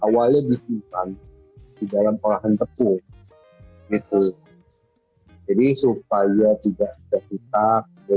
yang mana biasanya dijadikan perbekalan saat pekerangan